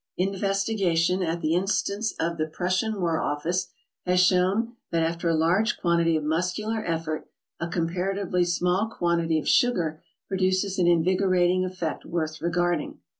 In vestigation at the instance of the Prussian war office has shown that after a large amount of muscular effort a com paratively small quantity of sugar produces an invigorating effect worth regarding.